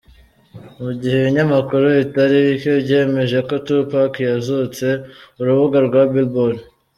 Mu gihe ibinyamakuru bitari bike byemeje ko Tupac yazutse, urubuga rwa billboard.